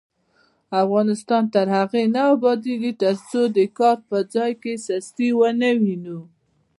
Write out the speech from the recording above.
افغانستان تر هغو نه ابادیږي، ترڅو د کار په ځای کې سستي ونه وینو.